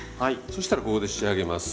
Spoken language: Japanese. そしたらここで仕上げます。